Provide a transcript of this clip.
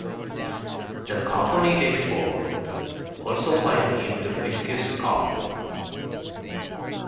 The company they formed also pioneered the viscous coupling.